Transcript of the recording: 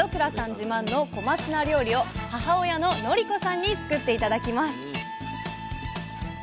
自慢の小松菜料理を母親の乃理子さんに作って頂きます！